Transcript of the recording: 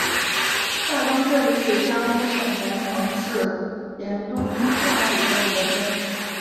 大冈镇是江苏省盐城市盐都区下属的一个镇。